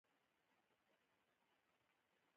د شمال لوېدیځ سرحد د خوندي کولو لپاره.